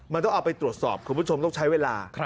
มันต้องเอาไปตรวจสอบคุณผู้ชมต้องใช้เวลา